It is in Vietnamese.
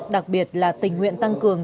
đặc biệt là tình nguyện tăng cường